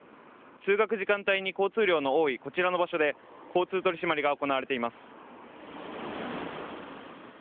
通学時間帯に交通量の多いこちらの場所で交通取り締まりが行われています。